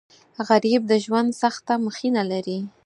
غریب د ژوند سخته مخینه لري